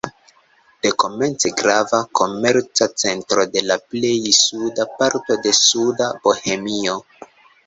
Dekomence grava komerca centro de la plej suda parto de Suda Bohemio.